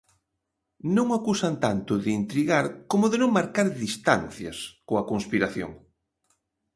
Non o acusan tanto de intrigar como de non marcar distancias coa conspiración.